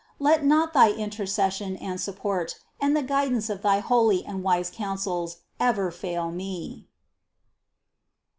Let not thy intercession and support, and the guidance of thy holy and wise counsels ever fail me!